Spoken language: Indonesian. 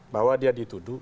bahwa dia dituduh